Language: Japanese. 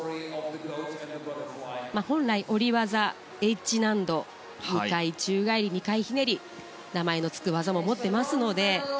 本来、下り技はＨ難度、２回宙返り２回ひねりの名前の付く技も持っていますので。